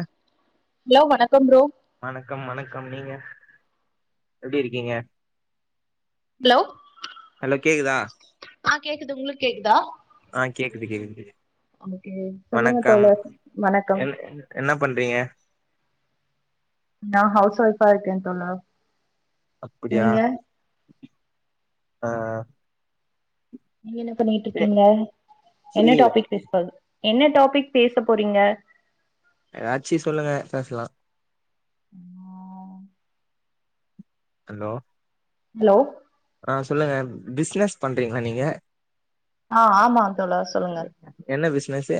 ஆ வணக்கம் வணக்கம் நீங்க எப்டி இருக்கீங்க க்லோ கேகுதா ஆ கேக்குது உங்களுக் கேக்குதா ஆ கேக்குது கேகுது ஓகே சொல்லுங்க வணக்கம் தோழர் வணக்கம் என் என்ன பண்றீங்க நா ஹவுஸ் வைஃபா இருக்கே தோழா அப்புடியா ஆ நீங்க என்ன ஏ, பண்ணிட்ருக்கீங்க என்ன புரியல டாபிக் பெஸ்ப்பல் என்ன டாபிக் பேச போறீங்க ஆச்சி சொல்லுங்க பேஸ்லா உமா ஹலோ ஹலோ ஆஹ் சொல்லுங்க பிஸ்னெஸ் பண்றீங்களா நீங்க ஆ ஆம்மாந் தோழர் சொல்லுங்க னெஸு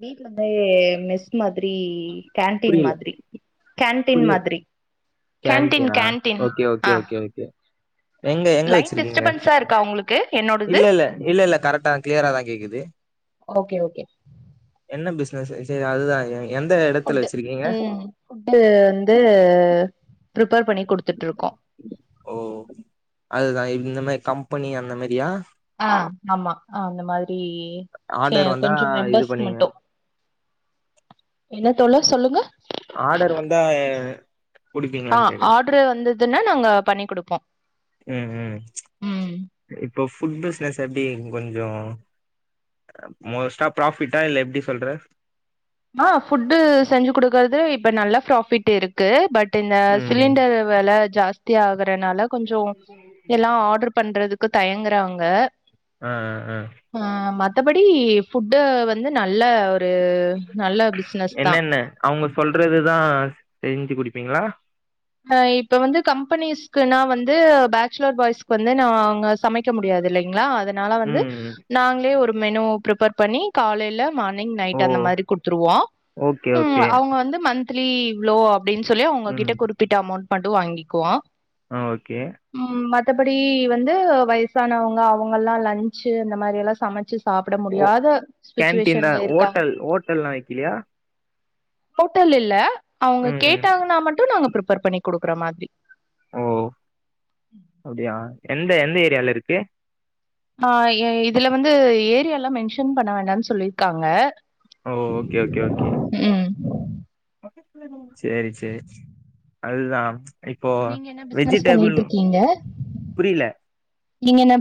வீட்ல வந்து மெஸ் மாதிரி கேன்டீன் புரியல மாதிரி கேன்டீன் புரிய மாதிரி கேன்டீன் கேன்டீனா கேன்டீன் ஓகே ஓகே ஆ ஓகே ஓகே எங்க எங்க லைன் வச்சிருக்கீங்க டிஸ்டபன்ஸா இருக்கா உங்களுக்கு என்னோடது இல்லெல்ல இல்லெல்ல கரட்டாதா க்ளிய ராதா கேக்குது ஓகே ஓகே என்ன பிஸுனெஸு சேரி அதுதா ஏங் ஃபுட்டு ம் ஃபுட்டு வந்து ப்ரிப்பேர் பண்ணி குடுத் துட்ருக்கோ ஓ அதுதா இந்த மாரி கம்பெனி அந்த மாரியா ஆ ஆம்மா அந்த மாதிரி செ ஆர்டர் வந்தா கொஞ்சோ இது மெம்பர்ஸ்கு பண்ணுவீங்க மட்டு என்ன தோழர் சொல்லுங்க ஆர்டர் வந்தா எ ஆ ஆர்ட்ரு வந்ததுன்னா நாங்க பண்ணி குடுப்போம் ம் போ ஃபுட் பிஸ்னெஸ் எப்டி கொஞ்சோ மோஸ்ட்டா ஃப்ராஃபிட்டா இல்ல எப்டி சொல்ற ஆ ஃபுட்டு செஞ்சி குடுக்கறது இப்ப நல்ல ஃப்ராஃபிட் இருக்கு பட் டு இந்த ம் சிலிண்டெரு வெல ஜாஸ் தியா ஆக தனால கொஞ்சோ எல்லா ஆர்ட்ரு பண்றதுக் கு தயங்குறாங்க ஆ ஆ அ தபடி ஃபுட்ட வந்து நல்ல ஒரு நல்ல பிஸ்னெஸ் தா என்னென்ன அவங்க சொல்றதுதா தெரிஞ்சி குடிப்பீங்களா ஆ இப்ப வந்து கம்பெனிஸ்க்குன்னா வந்து பேக்ச்சுலர் பாய்ஸ்க்கு வந்து நாங்க சமைக்க முடியாது இல்லைங்களா அத னால வந்து ம் நாங்ளே ஒரு மெனு ப்ரிப்பெர் பண்ணி காலேல மானிங் ஓ நைட் அந்த மாரி குடுத்துருவோம் ஓகே ம் ஓகே அவ்ங்க வந்து மந்த் லீ இவ்லோ அப்டின் சொல்லி ம் அவ்ங்ககிட்ட குறி ப்பிட்ட அமௌண்ட் மட்டு வாங்கிக்குவோம் ஆ ஓகே ம் மத்தபடி வந்து வயசானவங்க அவங்கல்லாம் லஞ்ச் இந்த மாரில்லாம் சமச்சு ஓ கேன்டீன் தா இருக்காங்க ஓட்டல் ஓட்டல்லாம் வக்கிலையா ஹோட்டல் இல்ல அவுங்க கேட்டாங்கன்னா மட்டும் நாங்க ப்ரீப் பண்ணி குடுக்குற மாதிரி ஓ அப்டியா எந்த எந்த ஏரியால இருக்கு ஆ ஏ இதுல வந்து ஏரியா எல்லாம் மென்ஷன் பண்ண வேண்டாம்னு சொல்லிருக்காங்க ஓ ஓகே ஓகே ஓகே ம் சேரி சேரி அதுதான் நீங்க என்ன பிசினஸ் பண்ணிட்டு இருக்கீங்க புரில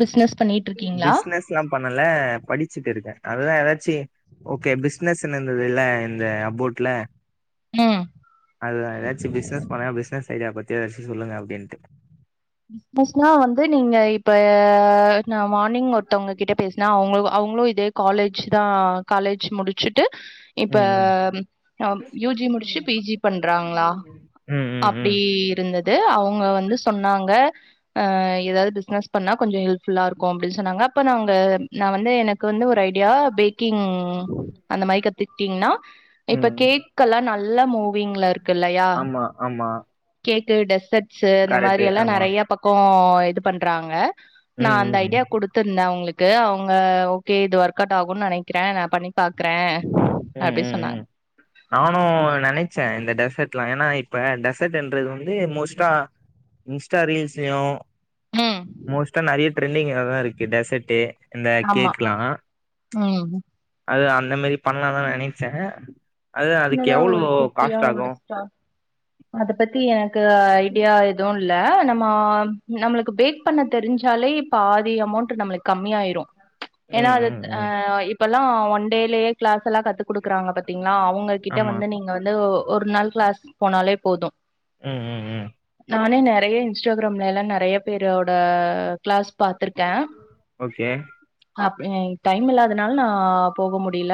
பிசினஸ் பண்ணிட்ருக்கீங்களா பிஸ்னஸ்லாம் பண்ணல படிச்சிட்டு இருக்கே அதுதான் ஏதாச்சி ஓகே பிசினஸ்னு இருந்ததுல இந்த அபோட்ல ம் அதுதா ஏதாச்சும் பிஸ்னஸ் பண்ண பிஸ்னஸ் ஐடியா பத்தி எதாச்சு சொல்லுங்க அப்டின்ட்டு நர்ஸ்னா வந்து நீங்க இப்ப நா மார்னிங் ஒருத்தவங்க கிட்ட பேசுன அவுங்க அவுங்களு இதே காலேஜ்தா காலேஜ் முடிச்சு ட்டு இப்ப ம் ம் ஆ யூ ஜி முடிச்சிட்டு பி ஜி பண்றாங்ளா ம் ம் ம் அப்டி இருந்தது அவங்க வந்து சொன்னாங் க ஆ எதாவுது பிஸ்னஸ் பண்ணா கொஞ்ச ஹெல்ப் ஃபுல்லா இருக்கு அப்டின் சொன்னாங்க அப்ப நாங்க நா வந்து எனக்கு வந்து ஒரு ஐடியா பேக்கிங் அந்த மாரி கத்து கிட்டிங்னா இப்ப ம் கேக் கலா ந ல்லா மூ விங்ள இருக்கு இல்லையா ஆமா ஆமா கேக் கு டெஸர்ட் ஸு இந்த மாரி கரெக்ட்டு எல்லா ந ஆமா றையா பக்கோ இது பண்றாங்க நா ம் அந்த ம் ம் ஐடியா குடுத்துருந்த அவுங்களுக் கு அவுங்க ஓகே இது ஒர்க் அவுட் ஆகும்னு நெனைக்கிறே நான் பண்ணி பாக்குறே அப்டி சொன்னாங்க நானும் நெனச்சே இந்த டெசர்ட்லாம் ஏன்னா இப்ப டெசர்ட் என்றது வந்து மோஸ்ட்டா இன்ஸ்டா ரீல்ஸ்லையும் ம் மோஸ்டா நெறைய ட்ரெண்டிங்லதா இருக்கு டெசட்டு இந்த ஆமா கேக்கலா ம் அது அந்த மாரி பண்ணலா தா நெனச்ச அது அதுக்கு சின்னதா ஒரு எவ்ளோ குட்டியா காஸ்ட் ஆகு ஒரு ஸ்டா அத பத்தி ஏ எந்த ஐடியா எதுவு இரு இல்ல நம்ம நம்மளுக்கு பேக் பண்ண தெரிஞ்சாலே பாதி அமௌண்ட் நம்ம கம்மியாயிரு ஏனா ம் அது ம் ஆ ம் இப்பெல்லா ஒன்டேலையே கிளாஸ் எல்லா கத்து குடுக்குறாங்க பாத்தீங்களா அவங்க அவங்கிட்ட ஆமா வந்து நீங்க வந்து ஓ ஒரு நாள் க்ளாஸ் போனாலே போது ம் ம் ம் நானே நெறைய இன்ஸ்டாகிராம்லேல்லா நறைய பேரோட க்ளாஸ் ஓகே அப்டி டைம் இல்லாதுனால நா போக முடியல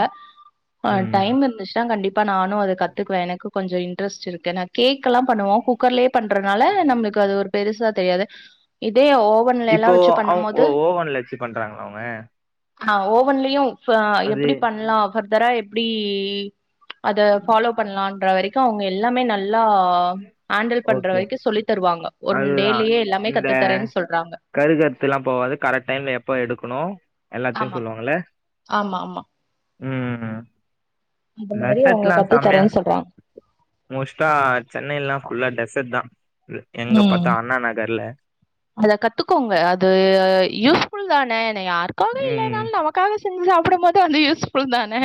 ஆ ம் ம் டைம் இருந்துச்சுன்னா கண்டிப் ப்பா நானு அத கத்துக்குவே எனக்கு கொஞ்சோ இன் இன்ட்ரஸ்ட் இருக்கு ஏனா கேக் கேக் எல்லா பண்ணுவோ குக்கர்லேயே பண்றதுனால நம்மளுக்கு அது ஒரு பெருசா தெரியாது இத் இப்போ அவுங் ஓ ஓவன்ல வச்சு பண்றாங்களா அவுங்க ஆ ஓவன்லையு இப்ப எப்டி பண்லா ஆபர் தரா எப்டி அத ஃபாலோ பண்லான்ற வரைக் அவுங்க எல்லாமே நல் நல்ல ஹண்டல் பண்ற ஓகே வரைக்கு சொல்லி தருவாங்க ஒன் அதுதா டேலையே எல்லாமே இந்த கத்து தரன்னு சொல்றாங்க கருகருத்துலா போவாது கரெக்ட் டைம்ல எப்ப எடுக்கணு எல்லாத்தையு ஆமா சொல்லுவாங்கள ஆமா ஆமா ம் ம் ம் அது மாரி அவங்க லெடசர்ட்லா கத்து செமையா தரேன்னு சொல்றாங்க மோஸ்ட்டா சென்னை எல்லா ஃபுல்லா டெசட் தா எங்க ம் பத்தா அண்ணா நகர்ல அத கத்துக்கோங்க அது யூஸ்புல் தானே யாருக்காக ம் இல்லைனாலு நமக்காக சாப்புடும் போது அந்த யூஸ் யுஸ்ஃபுல் தானே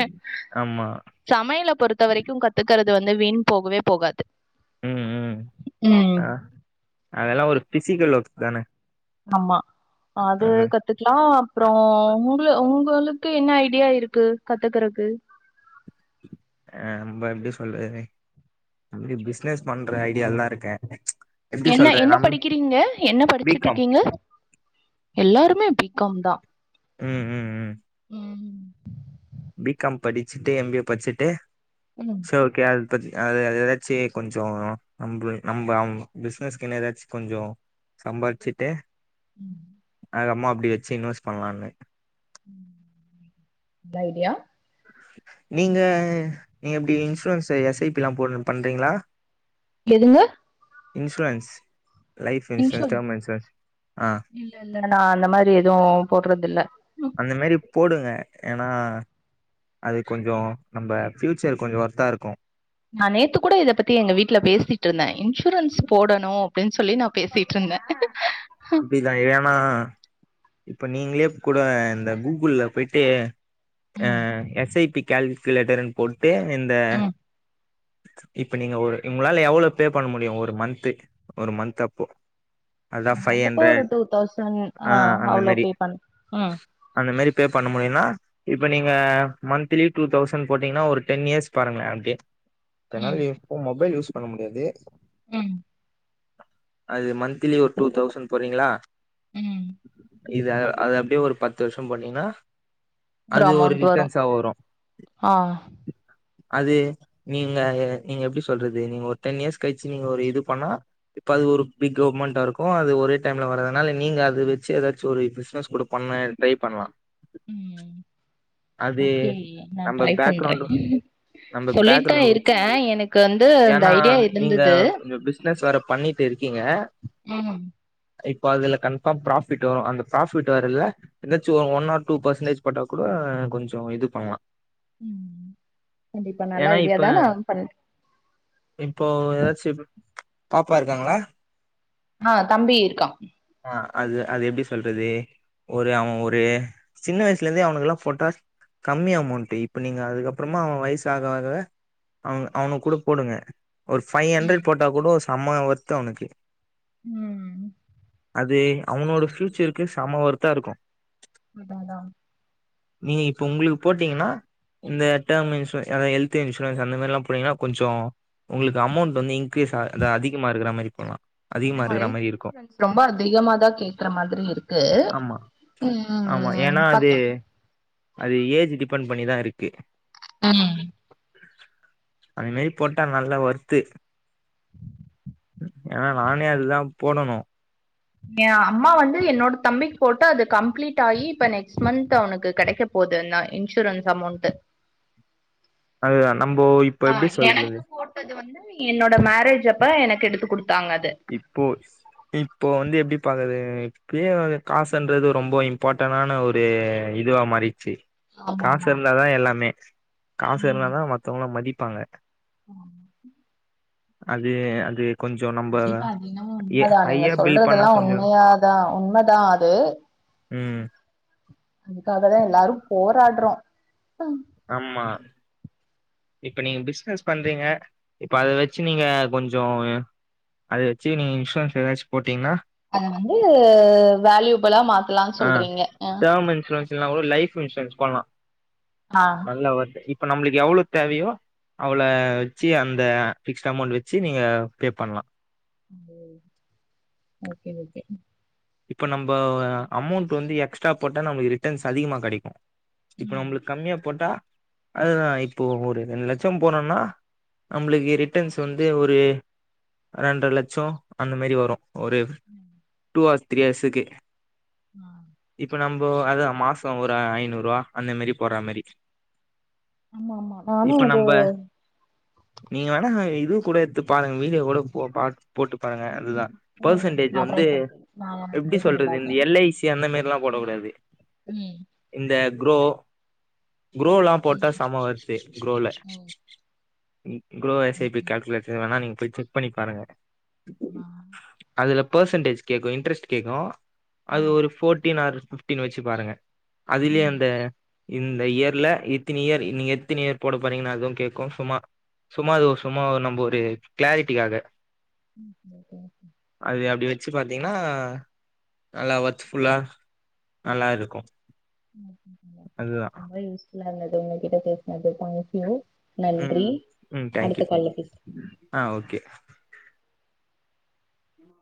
ஆமா சமையல பொறுத்த வரைக்கு கத்துக்றது அது வந்து வீண் போகவே போகாது ம் ம் ம் ஆ அதெல்லா ஒரு பிசிக்கல் ஒர்க் தானே ஆம்மா அது கத்துக்கலா அப்றோ உங்க உங்களுக்கு என்ன ஐடியா இருக்கு கத்துக்கறக்கு அ ப எப்டி சொல்றது அப்டி பிசினஸ் பண்ற ஐடியால்லா இருக்கே எப்டி என்ன சொல்றது என்ன நம் படிக்கிறீங்க என்ன பி படிச்சுட்டு காம் இருக்கீங்க எல்லாருமே பீ பீ காம் தா ம் ம் ம் ம் பீ காம் படிச்சுட்டு எம் பி ஏ படிச்சுட்டு சோ கேல் பதி அது ஏதாச்சு கொஞ்சோ நம்ப்ளே நம்ப பிசினஸ்கென்ன ஏதாச்சு கொஞ்சோ சம்பாதிச்சுட்டு ம் அதுக்கப்றமா அப்டி வெச்சு இன்வெஸ்ட் பண்லான்னு ம் குட் ஐடியா நீங்க எப்டி இன்சூரன்ஸ்ஸு எஸ் ஐ பில்லா போட்ற பண்றீங்களா எதுங்க இன்சுரன்ஸ் இன்சுர ஆ இல்ல இல்ல நா அந்த மாரி எதுவு போட்றதுல்ல அந்த மாரி போடுங்க ஏனா அது கொஞ்சோ நம்ம ஃபியூச்சர் கொஞ்சோ ஒர்த்தா இருக்கு நா நேத்து கூட இத பத்தி எங்க வீட்ல பேசிட்ருந்தே இன்சூரன்ஸ் போடணு அப்டின் சொல்லி நா பேசிட்ருந்தே அப்டிதா ஏனா இப்ப நீங்களே கூட இந்த கூகுள்ள போயிட்டு ஆ ம் எஸ் ஐ பி கேல் க்குலேட்டருன் போட்டு இந்த ம் இப்ப நீங்க உ உங்களால எவ்வளோ பே பண்ண முடியு ஒரு மந்து ஒரு மந்த் அ ப்போ ஒன் மந்துக்கு ஒரு டூ தௌசண்ட் ஆ அந்த அவ்வளோ மாரி பே பண் ம் அந்த மாரி பே பண்ண முடியுனா இப்ப நீங்க மந்த்லி டூ தௌசண்ட் போட்டீங்கன்னா ஒரு டென் இயர்ஸ் பாருங்களே அப்டியே இத்தன ம் நாள் ஏ போ மொபைல் யூஸ் பண்ண முடியாது ம் அது மந்துலி ஒரு டூ தௌசண்ட் போட்றிங்களா ம் இது அ அது அப்டியே ஒரு பத்து வருஷோ பண்ணீங்கன்னா ப்ரோ அமௌன்ட் வரு ஆ அது நீங்க எ நீங்க எப்டி சொல்றது நீங்க ஒரு டென் இயர்ஸ் கழிச்சு நீங்க ஒரு இது பண்ணா இப்ப அது ஒரு பிக் மெண்டா இருக்கு அது ஒரே டைம்ல வரதுனால நீங்க அது வெச்சு ஏதாச்சு ஒரு பிஸ்னஸ் கூட பண்ண ட்ரை பண்லா அது ஒகே நா நம்ம டரை பண்றே பேக்ரவுண்டு நம்ம சொல்லிஞ்தா பேக்ரவுண்டுக்கு இருக்கே எனக்கு வந்து இந்த ஏன்னா ஐடியா நீங்க இருந்தது கொஞ்சோ பிசினஸ் வேற பண்ணிட்டு இருக்கீங்க ம் இப்போ அதுல கன்ஃபாம் ப்ராஃபிட் வரு அந்த ப்ராஃபிட் வரதுல இருதாச்சு ஒ ஒன் ஆர் டூ பர்சன்டேஜ் போட்டா கூட கொஞ்சோ இது பண்லா ம் ம் கண்டிப்பா நல்ல ஏன்னா இப்ப ஐடியாதா நா பண் இப்போ ஏதாச்சு பாப்பா இருக்காங்களா ஹ தம்பி இருக்கா ஆ அது அது எப்டி சொல்றது ஒரு அவ ஒரு சின்ன வயசுலேந்தே அவனுக்லா ஃபோட்டா கம்மி அமௌண்ட்டு இப்ப நீங்க அதுக்கப்றமா அவ வைசாக ஆகவே அவ அவனுக் கூட போடுங்க ஒரு ஃபை ம் ஹண்ட்ரட் போட்டா கூட சம்ம ஒர்த் அவனுக்கு ம் அது அவனோட ஃப்யூச்சருக்கு செம ஓர்த்தா இருக்கு அதா அதா நீ இப் போ உங்களுக்கு போட்டீங்கன்னா இந்த டேம் இன்சூர் அதா எல்த் இன்சூரன்ஸ் அந்த மாரில்லா போனீங்கன்னா கொஞ்சொ உங்களுக்கு அமௌண்ட் வந்து இன்க்கிரீஸ் ஆ அந்த அதிகமா இருக்குற மாரி போட்லா ஆமா ஹெல்த் இன்சூரன்ஸ் ரொம்ப அதிகமாதா கேக்குற மாதிரி இருக்கு ஆமா ஆமா ம் ஏன்னா அது பாக்லாம் அது ஏஜ் டிபெண்ட் பண்ணிதா இருக்கு ம் அந் மேறி போட்டா நல்லா ஒர்த்து ஏன்னா நானே அதுதா போடணு ஏ அம்மா வந்து என்னோட தம்பிக்கு போட்டு அது கம்ப்ளீட்டாயி இப்ப நெக்ஸ்ட் மந்த் அவனுக்கு கெடைக்க போதுந்தா இன்சூரன்ஸ் அமௌண்ட்டு அது நம்போ இப்போ ஆ எப்டி சொல்றது எனக்கு போட்டது வந்து என்னோட மேரேஜ் ஜப்ப எனக்கு எடுத்து குடுத்தாங் இப்போ இப்போ இப்ப வந்து எப்டி பாக்கது இப்பயே காசுன்றது ரொம்ப இம்பார்ட்டனான ஒரு இதுவா மாறி ச்சு ஆமா காசு ஆமா இருந்தாதா எல்லாமே காசு ம் இருந்தாதா மத்தவங்ளா மதிப் பாங்க [inaudible] அது அது கொஞ்சோ நம்ப கண்டிப்பா அதென்னமோ ஏ உண்மதா நீங்க ஹையா பில் பண்ணா சொல்றதெல்லா கொஞ்சோ உண்மையாதா உண்மதா அது ம் அதுக்காகதா எல்லாரு போராடறோ ஆம்மா இப்ப நீங்க பிஸ்னஸ் பண்றிங்க இப்ப அத வெச்சு நீங்க கொஞ்சொ அத வெச்சு நீங்க இன்சூரன்ஸ் எதாச்சு போட்டிங்னா அது வந்து வால்யூபலா மாத்தலான் ஆ சொல்றிங்க ம் டேர்ம் இன்சூரன்ஸ் இல்லனா கூட லைஃப் இன்சூரன்ஸ் போலா நல்லா வருது இப்ப நம்ளுக்கு எவ்ள தேவையோ அவ்ள வெச்சு அந்த ஃபிக்ஸ்ட் அமௌண்ட் வெச்சு நீங்க பே பண்லா [inaudible] ஓகே ஓகே இப்ப நம்ப அமௌண்ட் வந்து எக்ஸ்ட்ரா போட்டா நமக்கு ரிட்டர்ன்ஸ் அதிகமா கெடைக்கு இப்ப ம் நம்புளுக் கம்மியா போட்டா அதுதான் இப்போ ஒரு ரெண்டு லட்சோம் போனோன்னா நம்புளுக்கு ரிட்டர்ன்ஸ் வந்து ஒரு ரெண்ட்ர லட்சோ அந்த மாரி வரு ஒரு டூ ஆர்ஸ் த்ரீ இயர்சுக்கு ஆ இப்போ அது மாசோம் ஒரு ஐநூறு ரூவா அந்த மாரி போறா மாரி ஆமா ஆமா நானு இப்ப ஒரு நம்ப நீங்க வேணா இதுவு கூட எடுத்துப் பாருங்க வீடியோ கூட போ பாட் போட்டுப் பாருங்க அதுதா ம் நா ட்ரை பண்றே எப்பிடி சொல்றது இந்த எல் ஐ சி அந்த மாரில்லா போடக்கூடாது ம் க்ரோ க்ரோவெல்லா போட்டா செம [unintelligible] க்ரோல okay grow S I P calculator வேணா நீங்க போய்ட் செக் பண்ணிப் பாருங்க நா பர்சன்டேஜ் கேக்கு இன்ட் ட்ரஸ்ட் கேக்கு அது ஒரு ஃபோர்ட்டீன் ஆர் ஃபிஃப்டீன் வச்சு பாருங்க அதுலயே அந்த இந்த இயர்ல இத்தினி இயர் நீங்க எத்தினி இயர் போட போனீங்கன்னா அதுவு கேக்கு சும்மா சும்மா அது ஒர் சும்மா நம்ப ஒரு கிளாரிட்டிக்காக ம் ஓகே ஓகே ச்சு பாத்தீங்க னா நல்லா ஒர்த்ஃபுல்லா நல்லா இருக்கு. அதுதா ரொம்ப யூஸ்ஃபுல்லா இந்த உங்ககிட்ட பேஸ்னது [unintelligible] ம் ம் தேங்க்யூ தேங்யூ பேச ஆ ஓகே